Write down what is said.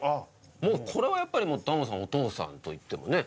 もうこれはやっぱりタモリさんお父さんといってもね。